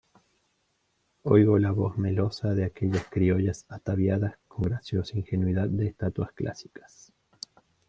oigo la voz melosa de aquellas criollas ataviadas con graciosa ingenuidad de estatuas clásicas